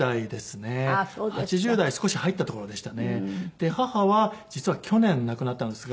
で母は実は去年亡くなったんですが。